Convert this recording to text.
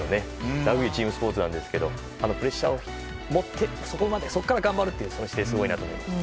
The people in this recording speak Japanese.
ラグビーはチームスポーツなんですけどあのプレッシャーを持ってそこから頑張るという姿勢がすごいなと思いました。